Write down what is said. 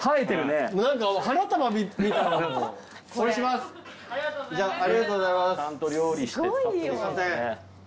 すいません。